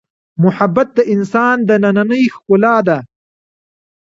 محبت د انسان دنننۍ ښکلا ده.